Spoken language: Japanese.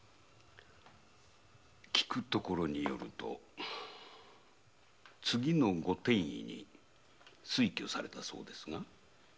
聞くところによると次のご典医に推挙されたそうですね？